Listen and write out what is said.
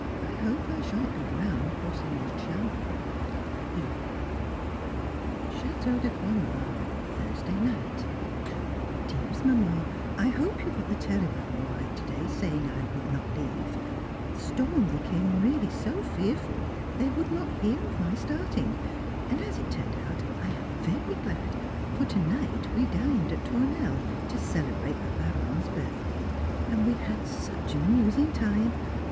I hope I shan't be drowned crossing the Channel. E. Château de Croixmare, Thursday night. [Sidenote: The Emotion of the Marquis] Dearest Mamma, I hope you got the telegram all right to day saying I would not leave. The storm became really so fearful they would not hear of my starting, and as it has turned out I am very glad, for to night we dined at Tournelle to celebrate the Baronne's birthday, and we had such an amusing time.